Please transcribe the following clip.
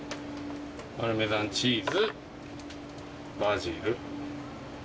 パルメザンチーズバジル。